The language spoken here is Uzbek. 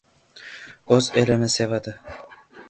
O'z elini sevadi.